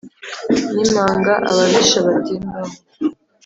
n’imanga ababisha batemba ho